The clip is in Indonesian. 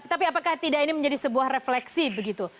tapi apakah tidak ini menjadi sebuah refleksi begitu